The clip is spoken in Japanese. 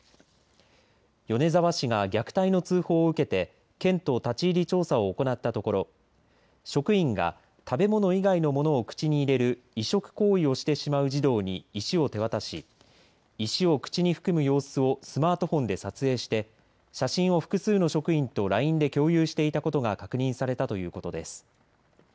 米沢市が虐待の通報を受けて県と立ち入り調査を行ったところ職員が食べ物以外のものを口に入れる異食行為をしてしまう児童に石を手渡し石を口に含む様子をスマートフォンで撮影して写真を複数の職員とＬＩＮＥで共有していたことが確認されたということです。